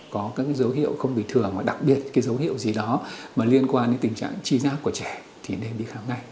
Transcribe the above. có các dấu hiệu không bình thường mà đặc biệt cái dấu hiệu gì đó mà liên quan đến tình trạng trí giác của trẻ thì nên đi khám ngay